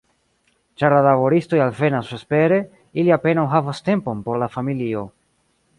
Ĉar la laboristoj alvenas vespere, ili apenaŭ havas tempon por la familio.